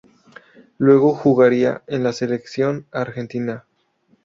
Luego jugaría en la Selección Argentina.